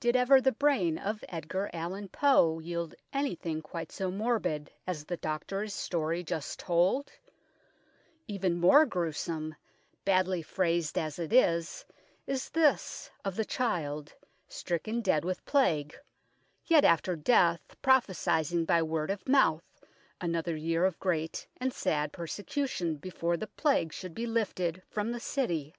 Did ever the brain of Edgar Allan Poe yield anything quite so morbid as the doctor's story just told ? Even more gruesome, badly phrased as it is, is this of the child, stricken dead with Plague, yet after death prophesying by word of mouth another year of great and sad per secution before the Plague should be lifted from the city.